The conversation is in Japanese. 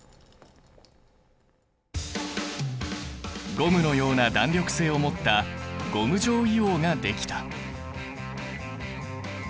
ゴムのような弾力性を持ったゴム状硫黄ができた。